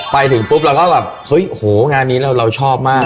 ไปถึงปุ๊บเราก็แบบเฮ้ยโหงานนี้เราชอบมาก